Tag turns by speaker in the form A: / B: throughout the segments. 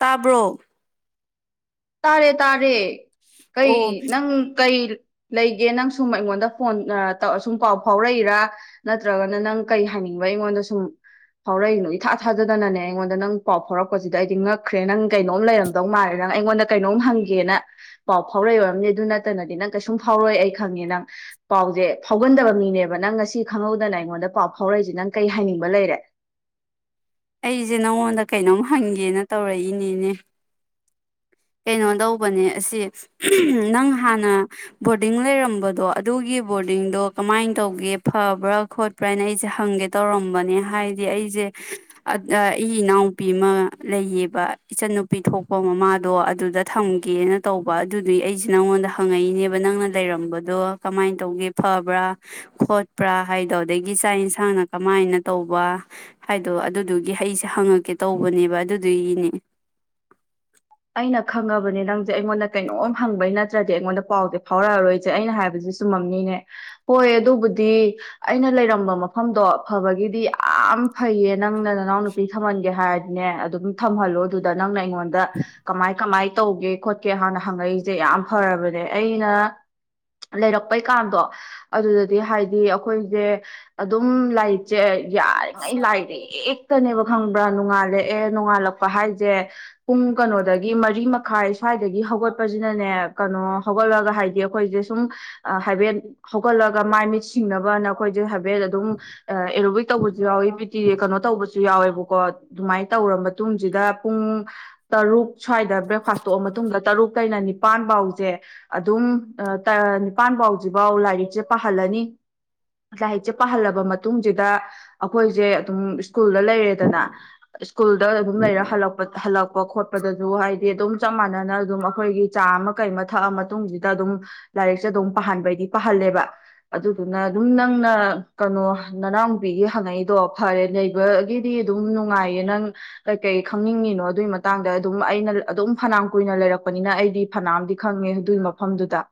A: ꯇꯥꯕ꯭ꯔꯣ
B: ꯇꯥꯔꯦ ꯇꯥꯔꯦ ꯀꯩ
A: ꯑꯣ
B: ꯅꯪ ꯀꯩ ꯂꯩꯒꯦ ꯅꯪ ꯁꯨꯝ ꯑꯩꯉꯣꯟꯗ ꯐꯣꯟ ꯁꯨꯝ ꯄꯥꯎ ꯐꯥꯎꯔꯛꯏꯔꯥ ꯅꯠꯇ꯭ꯔꯒꯅ ꯅꯪ ꯀꯩ ꯍꯥꯏꯅꯤꯡꯕ ꯑꯩꯉꯣꯟꯗ ꯁꯨꯝ ꯐꯥꯎꯔꯛꯏꯅꯣ ꯏꯊꯥ ꯊꯥꯖꯗꯅꯅꯦ ꯑꯩꯉꯣꯟꯗ ꯅꯪ ꯄꯥꯎ ꯐꯥꯎꯔꯛꯄꯁꯤꯗ ꯑꯩꯗꯤ ꯉꯛꯈ꯭ꯔꯦ ꯅꯪ ꯀꯩꯅꯣꯝ ꯂꯩꯔꯝꯗꯧ ꯃꯥꯜꯔꯦ ꯅꯪ ꯑꯩꯉꯣꯟꯗ ꯀꯩꯅꯣꯝ ꯍꯪꯒꯦꯅ ꯄꯥꯎ ꯐꯥꯎꯔꯛꯏ ꯑꯣꯏꯔꯝꯅꯦ ꯑꯗꯨ ꯅꯠꯇꯅꯗꯤ ꯅꯪ ꯀꯩꯁꯨꯝ ꯐꯥꯎꯔꯛꯏ ꯑꯩ ꯈꯪꯉꯦ ꯅꯪ ꯄꯥꯎꯁꯦ ꯐꯥꯎꯒꯟꯗꯕ ꯃꯤꯅꯦꯕ ꯅꯪ ꯉꯁꯤ ꯈꯪꯍꯧꯗꯅ ꯑꯩꯉꯣꯟꯗ ꯄꯥꯎ ꯐꯥꯎꯔꯛꯏꯁꯦ ꯅꯪ ꯀꯩ ꯍꯥꯏꯅꯤꯡꯕ ꯂꯩꯔꯦ
A: ꯑꯩꯁꯦ ꯅꯧꯣꯟꯗ ꯀꯩꯅꯣꯝ ꯍꯪꯒꯦꯅ ꯇꯧꯔꯛꯏꯅꯦꯅꯦ ꯀꯩꯅꯣ ꯇꯧꯕꯅꯦ ꯑꯁꯤ ꯅꯪ ꯍꯥꯟꯅ ꯕꯣꯔꯗꯤꯡ ꯂꯩꯔꯝꯕꯗꯣ ꯑꯗꯨꯒꯤ ꯕꯣꯔꯗꯤꯡꯗꯣ ꯀꯃꯥꯏꯅ ꯇꯧꯒꯦ ꯐꯕ꯭ꯔꯥ ꯈꯣꯠꯄ꯭ꯔꯥꯅ ꯑꯩꯁꯦ ꯍꯪꯒꯦ ꯇꯧꯔꯝꯕꯅꯦ ꯍꯥꯏꯗꯤ ꯑꯩꯁꯦ ꯏ ꯏꯅꯥꯎꯨꯄꯤ ꯑꯃ ꯂꯩꯌꯦꯕ ꯏꯆꯟꯟꯅꯨꯄꯤ ꯊꯣꯛꯄ ꯃꯃꯥ ꯑꯗꯣ ꯑꯗꯨꯗ ꯊꯝꯒꯦꯅ ꯇꯧꯕ ꯑꯗꯨꯗꯨꯒꯤ ꯑꯩꯁꯦ ꯅꯪꯉꯣꯟꯗ ꯍꯪꯉꯛꯏꯅꯦꯕ ꯅꯪꯅ ꯂꯩꯔꯝꯕꯗꯣ ꯀꯃꯥꯏꯅ ꯇꯧꯒꯦ ꯐꯕ꯭ꯔꯥ ꯈꯣꯠꯄ꯭ꯔꯥ ꯍꯥꯏꯗꯣ ꯑꯗꯒꯤ ꯆꯥꯛ ꯌꯦꯟꯁꯥꯡꯅ ꯀꯃꯥꯏꯅ ꯇꯧꯕ ꯍꯥꯏꯗꯣ ꯑꯗꯨꯗꯨꯒꯤ ꯑꯩꯁꯦ ꯍꯪꯉꯛꯀꯦ ꯇꯧꯕꯅꯦꯕ ꯑꯗꯨꯗꯨꯒꯤꯅꯦ
B: ꯑꯩꯅ ꯈꯪꯉꯕꯅꯦ ꯅꯪꯁꯦ ꯑꯩꯉꯣꯟꯗ ꯀꯩꯅꯣꯝ ꯍꯪꯕꯩ ꯅꯠꯇ꯭ꯔꯗꯤ ꯑꯩꯉꯣꯟꯗ ꯄꯥꯎꯗꯤꯦ ꯐꯥꯎꯔꯛꯑꯔꯣꯏꯁꯦ ꯑꯩꯅ ꯍꯥꯏꯕꯁ ꯆꯨꯝꯃꯝꯅꯤꯅꯦ ꯍꯣꯏ ꯑꯗꯨꯕꯨꯗꯤ ꯑꯩꯅ ꯂꯩꯔꯝꯕ ꯃꯐꯝꯗꯣ ꯐꯕꯒꯤꯗꯤ ꯌꯥꯝ ꯐꯩꯌꯦ ꯅꯪꯅ ꯅꯅꯥꯎ ꯅꯨꯄꯤ ꯊꯝꯍꯟꯒꯦ ꯍꯥꯏꯔꯗꯤꯅꯦ ꯑꯗꯨꯝ ꯊꯝꯍꯜꯂꯣ ꯑꯗꯨꯗ ꯅꯪꯅ ꯑꯩꯉꯣꯟꯗ ꯀꯃꯥꯏ ꯀꯃꯥꯏ ꯇꯧꯒꯦ ꯈꯣꯠꯀꯦ ꯍꯥꯟꯅ ꯍꯪꯉꯛꯏꯁꯦ ꯌꯥꯝ ꯐꯔꯕꯅꯦ ꯑꯩꯅ ꯂꯩꯔꯛꯄꯩꯀꯥꯟꯗꯣ ꯑꯗꯨꯗꯗꯤ ꯍꯥꯏꯗꯤ ꯑꯩꯈꯣꯏꯁꯦ ꯑꯗꯨꯝ ꯂꯥꯏꯔꯤꯛꯁꯦ ꯌꯥꯔꯤꯉꯩ ꯂꯥꯏꯔ ꯈꯛꯇꯅꯦꯕ ꯈꯪꯕ꯭ꯔꯥ ꯅꯣꯡꯉꯥꯜꯂꯛꯑꯦ ꯅꯣꯡꯉꯥꯜꯂꯛꯄ ꯍꯥꯏꯁꯦ ꯄꯨꯡ ꯀꯩꯅꯣꯗꯒꯤ ꯒꯤ ꯃꯔꯤ ꯃꯈꯥꯏ ꯁ꯭ꯋꯥꯏꯗꯒꯤ ꯍꯧꯒꯠꯄꯁꯤꯅꯅꯦ ꯀꯩꯅꯣ ꯍꯧꯒꯠꯂꯒ ꯍꯥꯏꯗꯤ ꯑꯩꯈꯣꯏꯁꯦ ꯁꯨꯝ ꯍꯥꯏꯐꯦꯠ ꯍꯧꯒꯠꯂꯒ ꯃꯥꯏ ꯃꯤꯠ ꯁꯤꯡꯅꯕꯅ ꯑꯩꯈꯣꯏꯁꯦ ꯍꯥꯏꯐꯦꯠ ꯑꯗꯨꯝ ꯑꯦꯔꯣꯕꯤꯛ ꯇꯧꯕꯁꯨ ꯌꯥꯎꯋꯤ ꯕꯤꯇꯤ ꯀꯩꯅꯣ ꯇꯧꯕꯁꯨ ꯌꯥꯎꯋꯦꯕꯀꯣ ꯑꯗꯨꯃꯥꯏꯅ ꯇꯧꯔ ꯃꯇꯨꯡꯁꯤꯗ ꯄꯨꯡ ꯇꯔꯨꯛ ꯁ꯭ꯋꯥꯏꯗ ꯕ꯭ꯔꯦꯛꯐꯥꯁ ꯇꯣꯛꯑ ꯃꯇꯨꯡꯗ ꯇꯔꯨꯛ ꯀꯩꯅ ꯅꯤꯄꯥꯟꯐꯥꯎꯁꯦ ꯑꯗꯨꯝ ꯅꯤꯄꯥꯟꯐꯥꯎꯁꯤꯐꯥꯎ ꯂꯥꯏꯔꯤꯛꯁꯦ ꯄꯥꯍꯜꯂꯅꯤ ꯂꯥꯏꯔꯤꯛꯁꯦ ꯄꯥꯍꯜꯂꯕ ꯃꯇꯨꯡꯁꯤꯗ ꯑꯩꯈꯣꯏꯁꯦ ꯑꯗꯨꯝ ꯁ꯭ꯀꯨꯜꯗ ꯂꯩꯔꯦꯗꯅ ꯁ꯭ꯀꯨꯜꯗ ꯑꯗꯨꯝ ꯂꯩꯔ ꯍꯂꯛꯄ ꯍꯜꯂꯛꯄ ꯈꯣꯠꯄ ꯗꯁꯨ ꯍꯥꯏꯗꯤ ꯑꯗꯨꯝ ꯆꯞ ꯃꯥꯟꯅꯅ ꯑꯗꯨꯝ ꯑꯩꯈꯣꯏꯒꯤ ꯆꯥ ꯑꯃ ꯀꯩ ꯑꯃ ꯊꯛꯑ ꯃꯇꯨꯡꯁꯤꯗ ꯑꯗꯨꯝ ꯂꯥꯏꯔꯤꯛꯁꯦ ꯑꯗꯨꯝ ꯄꯥꯍꯟꯕꯩꯗꯤ ꯄꯥꯍꯜꯂꯦꯕ ꯑꯗꯨꯗꯨꯅ ꯑꯗꯨꯝ ꯅꯪꯅ ꯀꯩꯅꯣ ꯅꯅꯥꯎ ꯅꯨꯨꯄꯤꯒꯤ ꯍꯪꯉꯛꯏꯗꯣ ꯐꯔꯦ ꯂꯩꯕꯒꯤꯗꯤ ꯑꯗꯨꯝ ꯅꯨꯡꯉꯥꯏꯌꯦ ꯅꯪ ꯀꯩꯀꯩ ꯈꯪꯅꯤꯡꯉꯤꯅꯣ ꯑꯗꯨꯒꯤ ꯃꯇꯥꯡꯗ ꯑꯗꯨꯝ ꯑꯩꯅ ꯑꯗꯨꯝ ꯐꯅ ꯀꯨꯏꯅ ꯂꯩꯔꯛꯄꯅꯤꯅ ꯑꯩꯗꯤ ꯐꯅꯥꯝꯗꯤ ꯈꯪꯉꯦ ꯑꯗꯨꯒꯤ ꯃꯐꯝꯗꯨꯗ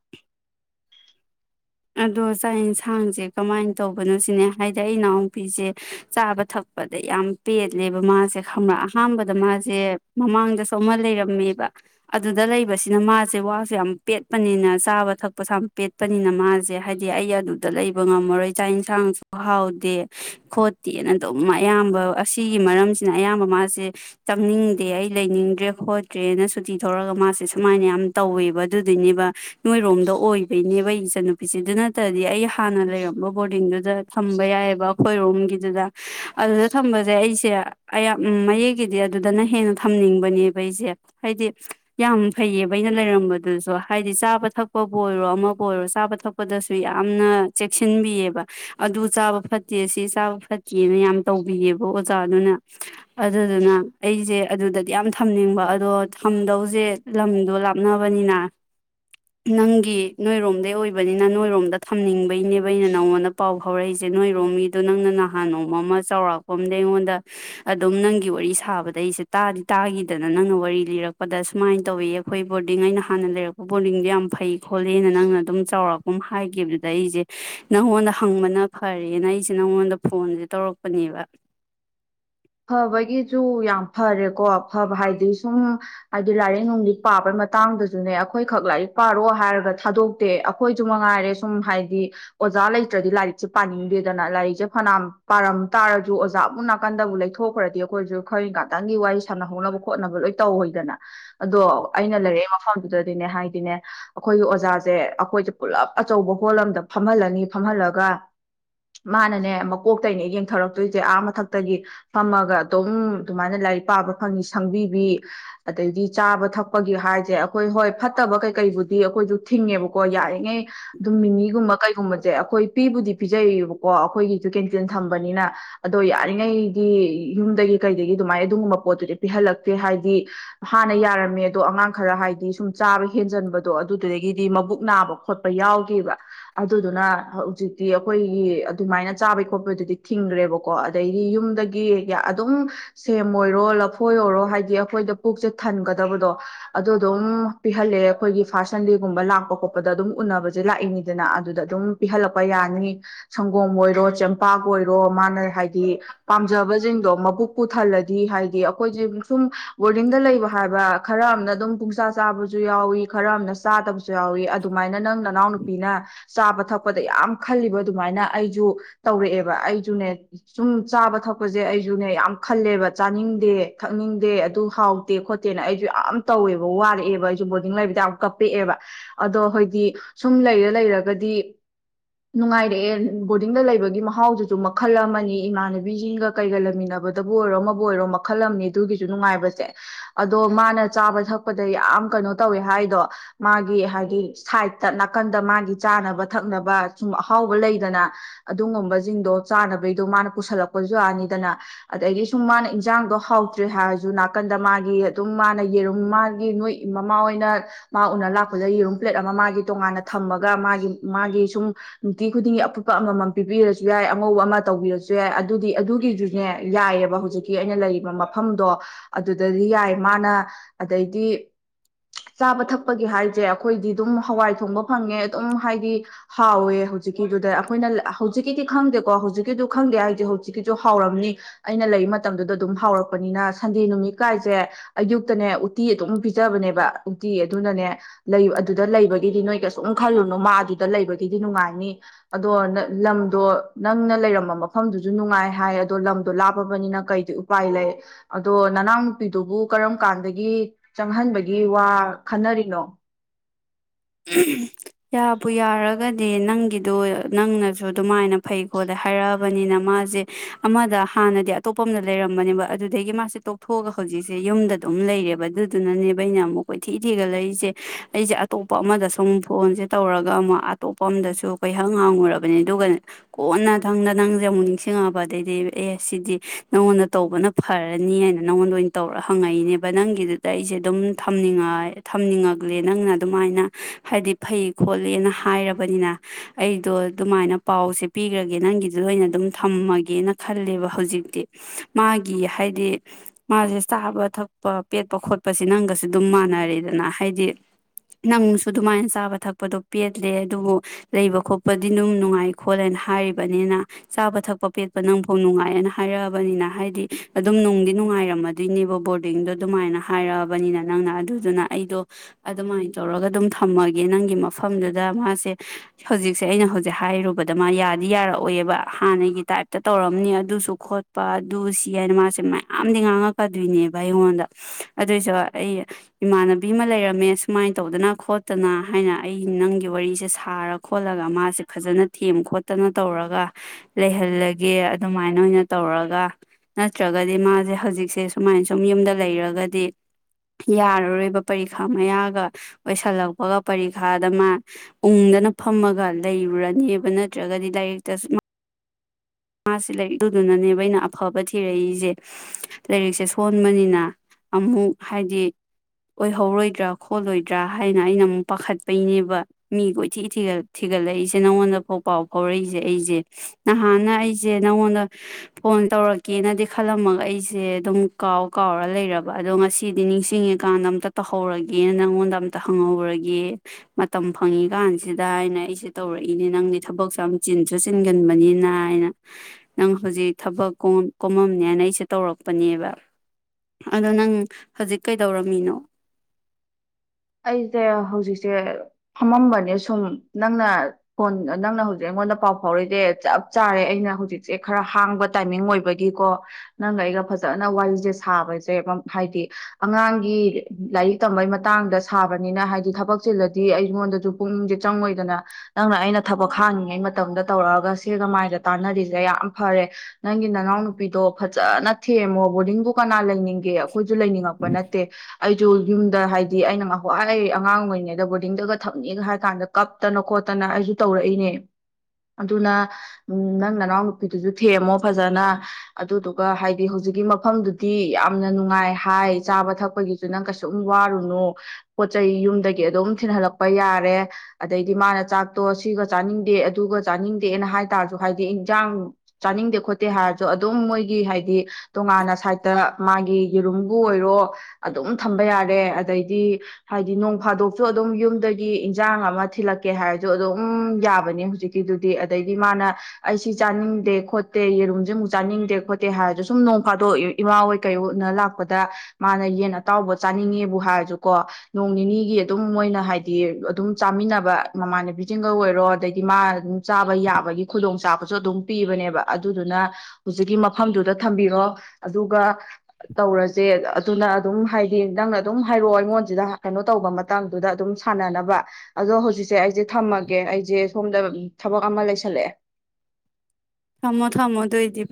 A: ꯑꯗꯣ ꯆꯥꯛ ꯌꯦꯟꯁꯥꯡꯁꯦ ꯀꯃꯥꯏꯅ ꯇꯧꯕꯅꯣ ꯁꯤꯅꯦ ꯍꯥꯏꯗꯤ ꯑꯩ ꯅꯥꯎꯄꯤꯁꯦ ꯆꯥꯕ ꯊꯛꯄꯗ ꯌꯥꯝ ꯄꯦꯠꯂꯦꯕ ꯃꯥꯁꯦ ꯈ ꯑꯍꯥꯟꯕꯗ ꯃꯥꯁꯦ ꯃꯃꯥꯡꯗꯁꯨ ꯑꯃ ꯂꯩꯔꯝꯃꯦꯕ ꯑꯗꯨꯗ ꯂꯩꯕꯁꯤꯅ ꯃꯥꯁꯦ ꯋꯥꯁꯨ ꯌꯥꯝ ꯄꯦꯠꯄꯅꯤꯅ ꯆꯥꯕ ꯊꯛꯄꯁꯨ ꯌꯥꯝ ꯄꯦꯠꯄꯅꯤꯅ ꯃꯥꯁꯦ ꯁꯦ ꯍꯥꯏꯗꯤ ꯑꯩ ꯑꯗꯨꯗ ꯂꯩꯕ ꯉꯝꯃꯔꯣꯏ ꯆꯥꯛ ꯏꯟꯁꯥꯡꯁꯨ ꯍꯥꯎꯗꯦ ꯈꯣꯠꯇꯦꯅ ꯑꯗꯨꯝ ꯑꯌꯥꯝꯕ ꯑꯁꯤꯒꯤ ꯃꯔꯝꯁꯤꯅ ꯑꯌꯥꯝꯕ ꯃꯥꯁꯦ ꯆꯪꯅꯤꯡꯗꯦ ꯑꯩ ꯂꯩꯅꯤꯡꯗ꯭ꯔꯦ ꯈꯣꯠꯇ꯭ꯔꯦꯅ ꯁꯨꯇꯤ ꯊꯧꯔꯒ ꯃꯥꯁꯦ ꯁꯨꯃꯥꯏꯅ ꯌꯥꯝ ꯇꯧꯋꯦꯕ ꯑꯗꯨꯗꯨꯩꯅꯦꯕ ꯅꯣꯏꯔꯣꯝꯗ ꯑꯣꯏꯗꯩꯅꯦꯕ ꯑꯩ ꯏꯆ ꯅꯨꯨꯄꯤ ꯄꯁꯦ ꯑꯗꯨ ꯅꯠꯇ꯭ꯔꯗꯤ ꯑꯩ ꯍꯥꯟꯅ ꯂꯩꯔꯝꯕ ꯕꯣꯔꯗꯤꯡꯗꯨꯗ ꯊꯝꯕ ꯌꯥꯏꯑꯕ ꯑꯩꯈꯣꯏꯔꯣꯝꯒꯤꯗꯨꯗ ꯑꯗꯨꯗ ꯊꯝꯕꯁꯦ ꯑꯩꯁꯦ ꯑꯌꯥꯝ ꯃꯌꯦꯛꯀꯤꯗꯤ ꯑꯗꯨꯗꯅ ꯍꯦꯟꯅ ꯊꯝꯅꯤꯡꯕꯅꯦꯕ ꯑꯩꯁꯦ ꯍꯥꯏꯗꯤ ꯌꯥꯝ ꯐꯩꯌꯦꯕ ꯑꯩꯅ ꯂꯩꯔꯝꯕꯗꯨꯁꯨ ꯍꯥꯏꯗꯤ ꯆꯥꯕ ꯊꯛꯄꯕꯨ ꯑꯣꯏꯔꯣ ꯑꯃꯕꯨ ꯑꯣꯏꯔꯣ ꯆꯥꯕ ꯊꯛꯄ ꯗꯁꯨ ꯌꯥꯝꯅ ꯆꯦꯛꯁꯤꯟꯕꯤꯑꯕ ꯑꯗꯨ ꯆꯥꯕ ꯐꯠꯇꯦ ꯁꯤ ꯆꯥꯕ ꯐꯠꯇꯦꯅ ꯌꯥꯝ ꯇꯧꯕꯤꯌꯦꯕ ꯑꯣꯖꯥꯗꯨꯅ ꯑꯗꯨꯗꯨꯅ ꯑꯩꯁꯦ ꯑꯗꯨꯗꯗꯤ ꯌꯥꯝ ꯊꯝꯅꯤꯡꯕ ꯑꯗꯣ ꯊꯝꯗꯧꯁꯦ ꯂꯝꯗꯣ ꯂꯥꯞꯅꯕꯅꯤꯅ ꯅꯪꯒꯤ ꯅꯣꯏꯔꯣꯝꯗꯩ ꯑꯣꯏꯕ ꯑꯣꯏꯕꯅꯤꯅ ꯅꯣꯏꯔꯣꯝꯗ ꯊꯝꯅꯤꯡꯕꯩꯅꯦꯕ ꯑꯩꯅ ꯅꯪꯉꯣꯟꯗ ꯄꯥꯎ ꯐꯥꯎꯔꯛꯏꯁꯦ ꯅꯣꯏꯔꯣꯝ ꯃꯤꯗꯣ ꯅꯪꯅ ꯅꯍꯥꯟ ꯅꯣꯝ ꯑꯃ ꯆꯥꯎꯔꯥꯛꯄ ꯑꯝꯗꯒꯤ ꯑꯩꯉꯣꯟꯗ ꯑꯗꯨꯝ ꯅꯪꯒꯤ ꯋꯥꯔꯤ ꯁꯥꯕꯗ ꯑꯩꯁꯦ ꯇꯥꯗꯤ ꯇꯥꯈꯤꯗꯅ ꯅꯪꯅ ꯋꯥꯔꯤ ꯂꯤꯔꯛꯄꯗ ꯁꯨꯃꯥꯏꯅ ꯇꯧꯋ ꯑꯩꯈꯣꯏ ꯕꯣꯔꯗꯤꯡ ꯑꯩꯅ ꯍꯥꯟꯅ ꯂꯩꯔꯛꯄ ꯕꯣꯔꯗꯤꯡꯗꯣ ꯌꯥꯝ ꯐꯩ ꯈꯣꯠꯂꯦꯅ ꯅꯪꯅ ꯑꯗꯨꯝ ꯆꯥꯎꯔꯥꯛꯄꯨꯝ ꯍꯥꯏꯈꯤꯕꯗꯨꯗ ꯑꯩꯁꯦ ꯅꯪꯉꯣꯟꯗ ꯍꯪꯕꯅ ꯐꯔꯦꯅ ꯑꯩꯁꯦ ꯅꯪꯉꯣꯟꯗ ꯐꯣꯟꯁꯦ ꯇꯧꯔꯛꯄꯅꯦꯕ
B: ꯐꯕꯒꯤꯁꯨ ꯌꯥꯝ ꯐꯔꯦꯀꯣ ꯐꯕ ꯍꯥꯏꯗꯤ ꯁꯨꯝ ꯍꯥꯏꯗꯤ ꯂꯥꯏꯔꯤꯛ ꯅꯨꯡꯗꯤ ꯄꯥꯕꯩ ꯃꯇꯥꯡꯗꯁꯨꯅꯦ ꯑꯩꯈꯣꯏꯈꯛ ꯂꯥꯏꯔꯤꯛ ꯄꯥꯔꯣ ꯍꯥꯏꯔꯒ ꯊꯥꯗꯣꯛꯇꯦ ꯑꯩꯈꯣꯏꯁꯨ ꯃꯉꯥꯏꯔꯦ ꯁꯨꯝ ꯍꯥꯏꯗꯤ ꯑꯣꯖꯥ ꯂꯩꯇ꯭ꯔꯗꯤ ꯂꯥꯏꯔꯤꯛꯁꯦ ꯄꯥꯅꯤꯡꯗꯦꯗꯅ ꯂꯥꯏꯔꯤꯛꯁꯦ ꯐꯅꯌꯥꯝ ꯄꯥꯔꯝ ꯇꯥꯔꯁꯨ ꯑꯣꯖꯥꯕꯨꯛ ꯅꯥꯀꯟꯗꯕꯨ ꯂꯩꯊꯣꯛ ꯊꯣꯛꯈ꯭ꯔꯗꯤ ꯑꯩꯈꯣꯏꯁꯨ ꯈꯔ ꯉꯥꯛꯇꯪꯒꯤ ꯋꯥꯔꯤ ꯁꯥꯟꯅꯍꯧꯅꯕ ꯈꯣꯠꯅꯕ ꯂꯣꯏ ꯇꯧꯣꯏꯗꯅ ꯑꯗꯣ ꯑꯩꯅ ꯂꯩꯔꯛꯏ ꯃꯐꯝꯗꯨꯗꯗꯤꯅꯦ ꯍꯥꯏꯗꯤꯅꯦ ꯑꯩꯈꯣꯏꯒꯤ ꯑꯣꯖꯥꯁꯦ ꯑꯩꯈꯣꯏꯁꯦ ꯄꯨꯜꯂꯞ ꯑꯆꯧꯕ ꯍꯣꯜ ꯑꯃꯗ ꯐꯝꯍꯜꯂꯅꯤ ꯐꯝꯍꯜꯂꯒ ꯃꯥꯅꯅꯦ ꯃꯀꯣꯛꯇꯅꯦ ꯌꯦꯡꯊꯔꯛꯇꯣꯏꯁꯦ ꯑꯥ ꯃꯊꯛꯇꯒꯤ ꯐꯝꯃꯒ ꯑꯗꯨꯝ ꯑꯗꯨꯃꯥꯏꯅ ꯂꯥꯏꯔꯤꯛ ꯄꯥꯕ ꯐꯪꯉꯤ ꯁꯪꯕꯤꯕꯤ ꯑꯗꯩꯗꯤ ꯆꯥꯕ ꯊꯛꯄꯒꯤ ꯍꯥꯏꯁꯦ ꯑꯩꯈꯣꯏ ꯍꯣꯏ ꯐꯠꯇꯕ ꯀꯩꯀꯩꯕꯨꯗꯤ ꯑꯩꯈꯣꯏꯁꯨ ꯊꯤꯡꯉꯦꯕꯀꯣ ꯌꯥꯔꯤꯉꯩ ꯑꯗꯨꯝ ꯃꯤꯃꯤꯒꯨꯝꯕ ꯀꯩꯒꯨꯝꯕꯁꯦ ꯑꯩꯈꯣꯏ ꯄꯤꯕꯨꯗꯤ ꯄꯤꯖꯩꯌꯦꯕꯀꯣ ꯑꯩꯈꯣꯏꯒꯤꯁꯨ ꯀꯦꯟꯇꯤꯟ ꯊꯝꯕꯅꯤꯅ ꯑꯗꯣ ꯌꯥꯔꯤꯉꯩ ꯌꯨꯝꯗꯒꯤ ꯀꯩꯗꯒꯤ ꯑꯗꯨꯃꯥꯏꯅ ꯑꯗꯨꯒꯨꯝꯕ ꯄꯣꯠꯇꯨꯗꯤ ꯄꯤꯍꯜꯂꯛꯇꯦ ꯍꯥꯏꯗꯤ ꯍꯥꯟꯅ ꯌꯥꯔꯝꯃꯦ ꯑꯗꯣ ꯑꯉꯥꯡ ꯈꯔ ꯍꯥꯏꯗꯤ ꯁꯨꯝ ꯆꯥꯕ ꯍꯦꯟꯖꯟꯕꯗꯣ ꯑꯗꯨꯗꯨꯗꯒꯤꯗꯤ ꯃꯕꯨꯛ ꯅꯥꯕ ꯈꯣꯠꯄ ꯌꯥꯎꯈꯤꯕꯕ ꯑꯗꯨꯗꯨꯅ ꯍꯧꯖꯤꯛꯇꯤ ꯑꯩꯈꯣꯏꯒꯤ ꯑꯗꯨꯃꯥꯏꯅ ꯆꯥꯕꯩ ꯈꯣꯠꯄꯩꯗꯨꯗꯤ ꯊꯤꯡꯈ꯭ꯔꯦꯕꯀꯣ ꯑꯗꯩꯗꯤ ꯌꯨꯝꯗꯒꯤ ꯑꯗꯨꯝ ꯁꯦꯝ ꯑꯣꯏꯔꯣ ꯂꯐꯣꯏ ꯑꯣꯏꯔꯣ ꯍꯥꯏꯗꯤ ꯑꯩꯈꯣꯏꯗ ꯄꯨꯛꯁꯦ ꯊꯟꯒꯗꯕꯗꯣ ꯑꯗꯨꯗ ꯑꯗꯨꯝ ꯄꯤꯍꯜꯂꯑꯦ ꯑꯩꯈꯣꯏꯒꯤ ꯐꯥꯔꯁ ꯁꯟꯗꯦꯒꯨꯝꯕ ꯂꯥꯛꯄ ꯈꯣꯠꯄꯗ ꯑꯗꯨꯝ ꯎꯟꯅꯅꯕꯁꯦ ꯂꯥꯛꯏꯅꯤꯗꯅ ꯑꯗꯨꯗ ꯑꯗꯨꯝ ꯄꯤꯍꯜꯂꯛꯄ ꯌꯥꯅꯤ ꯁꯪꯒꯣꯝ ꯑꯣꯏꯔꯣ ꯆꯦꯡꯄꯥꯛ ꯑꯣꯏꯔꯣ ꯃꯥꯅ ꯍꯥꯏꯗꯤ ꯄꯥꯝꯖꯕꯁꯤꯡꯗꯣ ꯃꯕꯨꯛ ꯄꯨꯊꯜꯂꯗꯤ ꯍꯥꯏꯗꯤ ꯑꯩꯈꯣꯏꯁꯦ ꯁꯨꯝ ꯕꯣꯔꯗꯤꯡ ꯅꯅꯥꯎꯅꯨꯄꯤꯅ ꯆꯥꯕ ꯊꯛꯄꯗ ꯌꯥꯝ ꯈꯜꯂꯤꯕ ꯑꯗꯨꯃꯥꯏꯅ ꯑꯩꯁꯨ ꯇꯧꯔꯛꯑꯦꯕ ꯑꯩꯁꯨꯅꯦ ꯁꯨꯝ ꯆꯥꯕ ꯊꯛꯄꯁꯦ ꯑꯩꯁꯨꯅꯦ ꯌꯥꯝ ꯈꯜꯂꯦꯕ ꯆꯥꯅꯤꯡꯗꯦ ꯊꯛꯅꯤꯡꯗꯦ ꯑꯗꯨ ꯍꯥꯎꯇꯦ ꯈꯣꯠꯇꯦꯅ ꯑꯩꯁꯨ ꯌꯥꯝ ꯇꯧꯋꯦꯕ ꯋꯥꯔꯛꯑꯦꯕ ꯑꯩꯁꯨ ꯕꯣꯔꯗꯤꯡ ꯂꯩꯕꯗ ꯌꯥꯝ ꯀꯞꯄꯛꯑꯦꯕ ꯑꯗꯣ ꯍꯥꯏꯣꯏꯗꯤ ꯁꯨꯝ ꯂꯩꯔ ꯂꯩꯔꯒꯗꯤ ꯅꯨꯡꯉꯥꯏꯔꯛꯑꯦ ꯕꯣꯔꯗꯤꯡꯗ ꯂꯩꯕꯒꯤ ꯃꯍꯥꯎꯗꯨꯁꯨ ꯃꯈꯜ ꯑꯃꯅꯤ ꯏꯃꯥꯅ ꯕꯤꯁꯤꯡꯒ ꯀꯩꯒ ꯂꯩꯃꯤꯟꯅꯕꯗꯕꯨ ꯑꯣꯏꯔꯣ ꯑꯃꯕꯨ ꯑꯣꯏꯔꯣ ꯃꯈꯜ ꯑꯃ ꯑꯗꯨꯒꯤꯁꯨ ꯅꯨꯡꯉꯥꯏꯕꯁꯦ ꯑꯗꯣ ꯃꯥꯅ ꯆꯥꯕ ꯊꯛꯄꯗ ꯌꯥꯝ ꯀ ꯊꯣꯛꯄꯁꯨ ꯌꯥꯅꯤꯗꯅ ꯃꯥ ꯎꯅ ꯂꯥꯛꯄꯗ ꯌꯦꯔꯨꯝ ꯄ꯭ꯂꯦꯠ ꯑꯃ ꯃꯥꯒꯤ ꯇꯣꯉꯥꯟꯅ ꯅꯨꯡꯇꯤ ꯈꯨꯗꯤꯡꯒꯤ ꯑꯄꯨꯠꯄ ꯑꯃꯃꯝ ꯄꯤꯕꯤꯔꯁꯨ ꯌꯥꯏ ꯑꯉꯧꯕ ꯑꯃ ꯇꯧꯕꯤꯔꯁꯨ ꯌꯥꯏ ꯑꯗꯨꯗꯤ ꯑꯗꯨꯒꯤꯗꯨꯅꯦ ꯌꯥꯏꯑꯕ ꯍꯧꯖꯤꯛꯀꯤ ꯑꯩꯅ ꯂꯩꯔꯤꯕ ꯃꯐꯝꯗꯣ ꯑꯗꯨꯗꯗꯤ ꯌꯥꯏ ꯃꯥꯅ ꯑꯗꯩꯗꯤ ꯆꯥꯕ ꯊꯛꯄꯒꯤ ꯍꯥꯏꯁꯦ ꯑꯩꯈꯣꯏꯗꯤ ꯑꯗꯨꯝ ꯍꯋꯥꯏ ꯊꯣꯡꯕ ꯐꯪꯉꯦ ꯑꯗꯨꯝ ꯍꯥꯏꯗꯤ ꯍꯥꯎꯋꯦ ꯍꯧꯖꯤꯛꯀꯤꯗꯨꯗ ꯑꯩꯈꯣꯏꯅ ꯍꯧꯖꯤꯛꯀꯤꯗꯤ ꯈꯪꯗꯦꯀꯣ ꯍꯧꯖꯤꯛꯀꯤꯗꯨ ꯈꯪꯗꯦ ꯍꯥꯏꯁꯦ ꯍꯧꯖꯤ ꯍꯧꯖꯤꯛꯀꯤꯁꯨ ꯍꯥꯎꯔꯝꯅꯤ ꯑꯩꯅ ꯂꯩ ꯃꯇꯝꯗꯨꯗ ꯑꯗꯨꯝ ꯍꯥꯎꯔꯛꯄꯅꯤꯅ ꯁꯟꯗꯦ ꯅꯨꯃꯤꯠ ꯀꯥꯏꯁꯦ ꯑꯌꯨꯛꯇꯅꯦ ꯎꯇꯤ ꯑꯗꯨꯝ ꯄꯤꯖꯕꯅꯦꯕ ꯎꯇꯤ ꯑꯗꯨꯅꯅꯦ ꯂꯩ ꯑꯗꯨꯗ ꯂꯩꯕꯒꯤꯗꯤ ꯅꯣꯏ ꯀꯩꯁꯨꯝ ꯈꯜꯂꯨꯅꯨ ꯃꯥ ꯑꯗꯨꯗ ꯂꯩꯕꯒꯤꯗꯤ ꯅꯨꯡꯉꯥꯏꯅꯤ ꯑꯗꯣ ꯂꯝꯗꯣ ꯅꯪꯅ ꯂꯩꯔꯝꯕ ꯃꯐꯝꯗꯨꯁꯨ ꯨ ꯅꯨꯡꯉꯥꯏ ꯍꯥꯏ ꯑꯗꯣ ꯂꯝꯗꯣ ꯂꯥꯞꯄꯕꯅꯤꯅ ꯀꯩꯗꯤ ꯎꯄꯥꯏ ꯂꯩ ꯑꯗꯣ ꯅꯅꯥꯎ ꯅꯨꯄꯤꯗꯨꯕꯨ ꯀꯔꯝ ꯀꯥꯟꯗꯒꯤ ꯆꯪꯍꯟꯕꯒꯤ ꯋꯥ ꯈꯟꯅꯔꯤꯅꯣ
A: ꯌꯥꯕꯨ ꯌꯥꯔꯒꯗꯤ ꯅꯪꯒꯤꯗꯣ ꯅꯪꯅꯁꯨ ꯑꯗꯨꯃꯥꯏꯅ ꯐꯩ ꯈꯣꯠꯂꯦ ꯍꯥꯏꯔꯛꯑꯕꯅꯤꯅ ꯃꯥꯁꯦ ꯑꯃꯗ ꯍꯥꯟꯅꯗꯤ ꯑꯇꯣꯞꯄ ꯑꯃꯗ ꯂꯩꯔꯝꯕꯅꯦꯕ ꯑꯗꯨꯗꯒꯤ ꯃꯥꯁꯦ ꯇꯣꯛꯊꯣꯛꯑꯒ ꯍꯧꯖꯤꯛꯁꯦ ꯌꯨꯝꯗ ꯑꯗꯨꯝ ꯂꯩꯔꯦꯕ ꯑꯗꯨꯗꯨꯅꯅꯦꯕ ꯑꯩꯅ ꯑꯃꯨꯛꯀꯣꯏ ꯊꯤ ꯊꯤꯔ ꯂꯩꯔꯤꯁꯦ ꯑꯩꯁꯦ ꯑꯇꯣꯞ ꯑꯇꯞꯄ ꯑꯃꯗ ꯁꯨꯝ ꯐꯣꯟꯁꯦ ꯇꯧꯔꯒ ꯑꯃꯨꯛ ꯑꯇꯣꯞꯄ ꯑꯃꯗꯁꯨ ꯑꯩꯈꯣꯏꯍꯪ ꯉꯥꯡꯉꯨꯔꯕꯅꯤ ꯑꯗꯨꯒ ꯀꯣꯟꯅ ꯊꯪꯅ ꯅꯪꯁꯦ ꯑꯃꯨꯛ ꯅꯤꯡꯁꯤꯡꯉꯕ ꯑꯗꯩꯗꯤ ꯑꯦ ꯁꯤꯗꯤ ꯅꯪꯉꯣꯟꯗ ꯇꯧꯕꯅ ꯐꯔꯅꯤ ꯍꯥꯏꯅ ꯅꯪꯉꯣꯟꯗ ꯑꯣꯏꯅ ꯇꯧꯔ ꯍꯪꯉꯛꯏꯅꯦꯕ ꯅꯪꯒꯤꯗꯨꯗ ꯑꯩꯁꯦ ꯑꯗꯨꯝꯅꯤꯡꯉ ꯊꯝꯅꯤꯡꯉꯛꯂꯦ ꯅꯪꯅ ꯑꯗꯨꯃꯥꯏꯅ ꯍꯥꯏꯗꯤ ꯐꯩ ꯈꯣꯠꯂꯦꯅ ꯍꯥꯏꯔꯕꯅꯤꯅ ꯑꯩꯗꯣ ꯑꯗꯨꯃꯥꯏꯅ ꯄꯥꯎꯁꯦ ꯄꯤꯈ꯭ꯔꯒꯦ ꯅꯪꯒꯤꯗꯤ ꯂꯣꯏꯅ ꯑꯗꯨꯝ ꯊꯝꯃꯒꯦꯅ ꯈꯜꯂꯦꯕ ꯍꯧꯖꯤꯛꯇꯤ ꯃꯥꯒꯤ ꯍꯥꯏꯗꯤ ꯃꯥꯁꯦ ꯆꯥꯕ ꯊꯛꯄ ꯄꯦꯠꯄ ꯈꯣꯠꯄꯁꯦ ꯅꯪꯒꯁꯨ ꯑꯗꯨꯝ ꯃꯥꯟꯅꯔꯦꯗꯅ ꯍꯥꯏꯗꯤ ꯅꯪ ꯑꯗꯨꯃꯥꯏꯅ ꯆꯥꯕ ꯊꯛꯄꯗꯣ ꯄꯦꯠꯂꯦ ꯑꯗꯨꯕꯨ ꯂꯩꯕ ꯈꯣꯠꯄꯗꯤ ꯑꯗꯨꯝ ꯅꯨꯡꯉꯥꯏ ꯈꯣꯠꯂꯦꯅ ꯍꯥꯏꯔꯤꯕꯅꯤꯅ ꯆꯥꯕ ꯊꯛꯄ ꯄꯦꯠꯄ ꯅꯪꯐꯥꯎ ꯅꯨꯡꯉꯥꯏꯑꯅ ꯍꯥꯏꯔꯛꯑꯕꯅꯤꯅ ꯍꯥꯏꯗꯤ ꯑꯗꯨꯝ ꯅꯨꯡꯗꯤ ꯅꯨꯡꯉꯥꯏꯔꯝꯃꯗꯣꯏꯅꯦꯕ ꯕꯣꯔꯗꯤꯡꯗꯣ ꯑꯗꯨꯃꯥꯏꯅ ꯍꯥꯏꯔꯛꯑꯕꯅꯤꯅ ꯅꯪꯅ ꯑꯗꯨꯗꯨꯅ ꯑꯩꯗꯣ ꯑꯗꯨꯃꯥꯏꯅ ꯇꯧꯔꯒ ꯑꯗꯨꯝ ꯊꯝꯃꯒꯦ ꯅꯪꯒꯤ ꯃꯐꯝꯗꯨꯗ ꯃꯥꯁꯦ ꯍꯧꯖꯤꯛꯁꯦ ꯑꯩꯅ ꯍꯧꯖꯤꯛ ꯍꯥꯏꯔꯨꯕꯗ ꯃꯥ ꯌꯥꯗꯤ ꯌꯥꯔꯛꯑꯣꯏꯌꯦꯕ ꯍꯥꯟꯅꯒꯤ ꯇꯥꯏꯞꯇ ꯇꯧꯔꯝꯅꯤ ꯑꯗꯨꯁꯨ ꯈꯣꯠꯄ ꯑꯗꯨ ꯁꯤ ꯍꯥꯏꯅ ꯃꯥꯁꯦ ꯃꯌꯥꯝꯗꯤ ꯉꯥꯡꯉꯛꯀꯗꯣꯏꯅꯦꯕ ꯑꯩꯉꯣꯟꯗ ꯑꯗꯨꯏꯁꯨ ꯑꯩ ꯏꯃꯥꯟꯅꯕꯤ ꯑꯃ ꯂꯩꯔꯝꯃꯦ ꯁꯨꯃꯥꯏꯅ ꯇꯧꯗꯅ ꯈꯣꯠ ꯇꯅ ꯍꯥꯏꯅ ꯑꯩ ꯅꯪꯒꯤ ꯋꯥꯔꯤꯁꯦ ꯁꯥꯔ ꯈꯣꯠꯂꯒ ꯃꯥꯁꯦ ꯐꯖꯅ ꯊꯦꯝ ꯈꯣꯠꯇꯅ ꯇꯧꯔꯒ ꯂꯩꯍꯜꯂꯒꯦ ꯑꯗꯨꯃꯥꯏꯅ ꯑꯣꯏꯅ ꯇꯧꯔꯒ ꯅꯠꯇ꯭ꯔꯒꯗꯤ ꯃꯥꯁꯦ ꯍꯧꯖꯤꯛꯁꯦ ꯁꯨꯃꯥꯏꯅ ꯁꯨꯝ ꯌꯨꯝꯗ ꯂꯩꯔꯒꯗꯤ ꯌꯥꯔꯣꯏꯕ ꯄꯔꯤꯈꯥ ꯃꯌꯥꯒ ꯑꯣꯏꯁꯜꯂꯛ ꯄꯒ ꯄꯔꯤꯈꯥꯗ ꯃꯥ ꯎꯪꯗꯅ ꯐꯝꯃꯒ ꯂꯩꯔꯨꯔꯅꯦꯕ ꯅꯠꯇ꯭ꯔꯒꯗꯤ ꯂꯥꯏꯔꯤꯛꯇ ꯃꯥꯁꯤ ꯂꯥꯏꯔꯤꯛ ꯇꯨꯗꯨꯅꯅꯦꯕ ꯑꯩꯅ ꯑꯐꯕ ꯊꯤꯔꯛꯏꯁꯦ ꯂꯥꯏꯔꯤꯛꯁꯦ ꯁꯣꯟꯕꯅꯤꯅ ꯑꯃꯨꯛ ꯍꯥꯏꯗꯤ ꯑꯣꯏꯍꯧꯔꯣꯏꯗ꯭ꯔꯥ ꯈꯣꯠꯂꯣꯏꯗ꯭ꯔꯥ ꯍꯥꯏꯅ ꯑꯩꯅ ꯑꯃꯨꯛ ꯄꯥꯈꯠꯄꯩꯅꯦꯕ ꯃꯤ ꯀꯣꯢꯊꯤ ꯊꯤꯒꯠꯂꯛꯏꯁꯦ ꯅꯪꯉꯣꯟꯗ ꯐꯥꯎ ꯄꯥꯎ ꯐꯥꯎꯔꯛꯏꯁꯦ ꯑꯩꯁꯦ ꯅꯍꯥꯟꯅ ꯑꯩ ꯑꯩꯁꯦ ꯅꯪꯉꯣꯟꯗ ꯐꯣꯟ ꯇꯧꯔꯛꯀꯦꯅꯗꯤ ꯈꯜꯂꯝꯃꯒ ꯑꯩꯁꯦ ꯑꯗꯨꯝ ꯀꯥꯎ ꯀꯥꯎꯔ ꯂꯩꯔꯕ ꯑꯗꯣ ꯉꯁꯤꯗꯤ ꯅꯤꯡꯁꯤꯡꯉꯤꯀꯥꯟꯗ ꯑꯝꯇ ꯇꯧꯍꯧꯔꯒꯦꯅ ꯅꯪꯉꯣꯟꯗ ꯑꯝꯇ ꯍꯪꯍꯧꯔꯒꯦ ꯃꯇꯝ ꯐꯪꯉꯤ ꯀꯥꯟꯁꯤꯗ ꯍꯥꯏꯅ ꯑꯩꯁꯦ ꯇꯧꯔꯛꯏꯅꯦ ꯅꯪꯗꯤ ꯊꯕꯛꯁꯨ ꯌꯥꯝ ꯆꯤꯟꯁꯨ ꯆꯤꯟꯒꯟꯕꯅꯤꯅ ꯍꯥꯏꯅ ꯅꯪ ꯍꯧꯖꯤꯛ ꯊꯕꯛ ꯀꯣꯝꯃꯝꯅꯦꯅ ꯑꯩꯁꯦ ꯇꯧꯔꯛꯄꯅꯦꯕ ꯑꯗꯣ ꯅꯪ ꯍꯧꯖꯤꯛ ꯀꯩꯗꯧꯔꯝꯃꯤꯅꯣ
B: ꯑꯩꯁꯦ ꯍꯧꯖꯤꯛꯁꯦ ꯐꯃꯝꯕꯅꯦ ꯁꯨꯝ ꯅꯪꯅ ꯐꯣꯟ ꯅꯪꯅ ꯍꯧꯖꯤꯛ ꯑꯩꯉꯣꯟꯗ ꯄꯥꯎ ꯐꯥꯎꯔꯛꯏꯁꯦ ꯆꯞ ꯆꯥꯔꯦ ꯑꯩꯅ ꯍꯧꯖꯤꯛꯁꯦ ꯈꯔ ꯍꯥꯡꯕ ꯇꯥꯏꯃꯤꯡ ꯑꯣꯏꯕꯒꯤꯀꯣ ꯅꯪꯒ ꯑꯩꯒ ꯐꯖꯅ ꯋꯥꯔꯤꯁꯦ ꯁꯥꯕꯁꯦ ꯍꯥꯏꯗꯤ ꯑꯉꯥꯡꯒꯤ ꯂꯥꯏꯔꯤꯛ ꯇꯝꯕꯩ ꯃꯇꯥꯡꯗ ꯁꯥꯕꯅꯤꯅ ꯍꯥꯏꯗꯤ ꯊꯕꯛ ꯆꯤꯜꯂꯗꯤ ꯑꯩꯉꯣꯟꯗꯁꯨ ꯄꯨꯛꯅꯤꯡꯁꯦ ꯆꯪꯉꯣꯏꯗꯅ ꯅꯪꯅ ꯑꯩꯅ ꯊꯕꯛ ꯍꯥꯡꯉꯤꯉꯩ ꯃꯇꯝꯗ ꯇꯧꯔꯛꯑꯒ ꯁꯦꯒ ꯃꯥꯏꯒ ꯇꯥꯟꯅꯔꯤꯁꯦ ꯌꯥꯝ ꯐꯔꯦ ꯅꯪꯒꯤ ꯅꯅꯥꯎꯅꯨꯄꯤꯗꯣ ꯐꯖꯅ ꯊꯦꯝꯃꯣ ꯕꯣꯔꯗꯤꯡꯗꯨ ꯀꯅꯥ ꯂꯩꯅꯤꯡꯒꯦ ꯑꯩꯈꯣꯏꯁꯨ ꯂꯩꯅꯤꯡꯉꯛꯄ ꯅꯠꯇꯦ ꯑꯩꯁꯨ ꯌꯨꯝꯗ ꯍꯥꯏꯗꯤ ꯑꯩꯅ ꯋꯥꯢ ꯑꯉꯥꯡ ꯑꯣꯏꯔꯤꯉꯩꯗ ꯕꯣꯔꯗꯤꯡꯗꯒ ꯊꯝꯅꯤꯒ ꯍꯥꯏ ꯀꯥꯟꯗ ꯀꯞꯇꯅ ꯈꯣꯠꯇꯅ ꯑꯩꯁꯨ ꯇꯧꯔꯛꯏꯅꯦ ꯑꯗꯨꯅ ꯎ ꯅꯪ ꯅꯅꯥꯎꯅꯨꯄꯤꯗꯨꯁꯨ ꯊꯦꯝꯃꯣ ꯐꯖꯅ ꯑꯗꯨꯗꯨꯒ ꯍꯥꯏꯗꯤ ꯍꯧꯖꯤꯛꯀꯤ ꯃꯐꯝꯗꯨꯗꯤ ꯌꯥꯝꯅ ꯅꯨꯡꯉꯥꯏ ꯍꯥꯏ ꯆꯥꯕ ꯊꯛꯄꯒꯤꯁꯨ ꯅꯪ ꯀꯩꯁꯨꯝ ꯋꯥꯔꯨꯅꯨ ꯄꯣꯠ ꯆꯩꯩ ꯌꯨꯝꯗꯒꯤ ꯑꯗꯨꯝ ꯊꯤꯟꯍꯜꯂꯛꯄ ꯌꯥꯔꯦ ꯑꯗꯩꯗꯤ ꯃꯥꯅ ꯆꯥꯛꯇꯣ ꯁꯤꯒ ꯆꯥꯅꯤꯡꯗꯦ ꯑꯗꯨꯒ ꯆꯥꯅꯤꯡꯗꯦꯅ ꯍꯥꯏꯇꯥꯔꯁꯨ ꯍꯥꯏꯗꯤ ꯏꯟꯖꯥꯡ ꯆꯥꯅꯤꯡꯗꯦ ꯈꯣꯠꯇꯦ ꯍꯥꯏꯔꯁꯨ ꯑꯗꯨꯝ ꯃꯣꯏꯒꯤ ꯍꯥꯏꯗꯤ ꯇꯣꯉꯥꯟꯅ ꯁꯥꯏꯠꯇ ꯃꯥꯒꯤ ꯌꯦꯔꯨꯝꯕꯨ ꯑꯣꯏꯔꯣ ꯑꯗꯨꯝ ꯊꯝꯕ ꯌꯥꯔꯦ ꯑꯗꯩꯗꯤ ꯍꯥꯏꯗꯤ ꯅꯣꯡ ꯐꯥꯗꯣꯛꯁꯨ ꯑꯗꯨꯝ ꯌꯨꯝꯗꯒꯤ ꯏꯟꯁꯥꯡ ꯑꯃ ꯊꯤꯜꯂꯛꯀꯦ ꯍꯥꯏꯔꯁꯨ ꯑꯗꯨꯝ ꯌꯥꯕꯅꯦ ꯍꯧꯖꯤꯛꯀꯤꯗꯨꯗꯤ ꯑꯗꯩꯗꯤ ꯃꯥꯅ ꯑꯩꯁꯤ ꯆꯥꯅꯤꯡꯗꯦ ꯈꯣꯠꯇꯦ ꯌꯦꯔꯨꯝꯁꯤꯃꯨꯛ ꯆꯥꯅꯤꯡꯗꯦ ꯈꯣꯠꯇꯦ ꯍꯥꯏꯔꯁꯨ ꯁꯨꯝ ꯅꯣꯡ ꯐꯥꯗꯣꯛ ꯏꯃꯥ ꯍꯣꯏ ꯀꯩꯅ ꯂꯥꯛꯄꯗ ꯃꯥꯅ ꯌꯦꯟ ꯑꯇꯥꯎꯕ ꯆꯥꯅꯤꯡꯉꯦꯕꯨ ꯍꯥꯏꯔꯁꯨꯀꯣ ꯅꯣꯡ ꯅꯤꯅꯤꯒꯤ ꯑꯗꯨꯝ ꯃꯣꯏꯅ ꯍꯥꯏꯗꯤ ꯑꯗꯨꯝ ꯆꯥꯃꯤꯟꯅꯕ ꯃꯃꯥꯟꯅꯕꯤꯁꯤꯡꯒ ꯑꯣꯏꯔꯣ ꯑꯗꯩꯗꯒꯤ ꯃꯥ ꯑꯗꯨꯝ ꯆꯥꯕ ꯌꯥꯕꯒꯤ ꯈꯨꯗꯣꯡ ꯆꯥꯕꯁꯨ ꯑꯗꯨꯝ ꯄꯤꯕꯅꯦꯕ ꯑꯗꯨꯗꯨꯅ ꯍꯧꯖꯤꯛꯀꯤ ꯃꯐꯝꯗꯨꯗ ꯊꯝꯕꯤꯔꯣ ꯑꯗꯨꯒ ꯇꯧꯔꯁꯦ ꯑꯗꯨꯅ ꯑꯗꯨꯝ ꯍꯥꯏꯗꯤ ꯅꯪꯅ ꯑꯗꯨꯝ ꯍꯥꯏꯔꯛꯑꯣ ꯑꯩꯉꯣꯟꯁꯤꯗ ꯀꯩꯅꯣ ꯇꯧꯕ ꯃꯇꯥꯡꯗꯨꯗ ꯑꯗꯨꯝ ꯁꯥꯟꯅꯅꯕ ꯑꯗꯣ ꯍꯧꯖꯤꯛꯁꯦ ꯑꯩꯁꯦ ꯊꯝꯃꯒꯦ ꯑꯩꯁꯦ ꯁꯣꯝꯗ ꯊꯕꯛ ꯑꯃ ꯂꯩꯁꯜꯂꯛꯑꯦ
A: ꯊꯃꯣ ꯊꯃꯣ ꯑꯗꯨꯑꯣꯏꯗꯤ